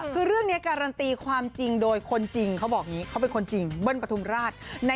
คือเรื่องนี้การันตีความจริงโดยคนจริงเขาบอกอย่างนี้เขาเป็นคนจริงเบิ้ลปฐุมราช